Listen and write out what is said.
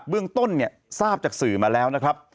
เรื่องต้นเนี่ยทราบจากสื่อมาแล้วนะครับ